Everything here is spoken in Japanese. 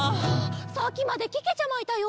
さっきまでけけちゃまいたよ。